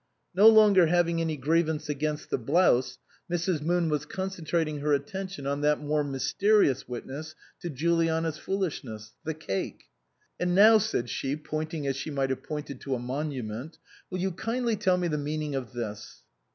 No longer having any grievance against the blouse, Mrs. Moon was concentrating her atten tion on that more mysterious witness to Juliana's foolishness the Cake. " And now," said she, pointing as she might have pointed to a monument, " will you kindly tell me the meaning of this